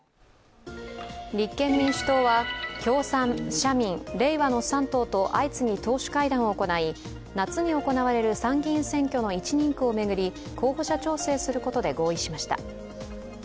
立憲民主党は共産、社民、れいわの３党と相次ぎ党首会談を行い夏に行われる参議院選挙の１人区を巡り、候補者調整することで合意しました。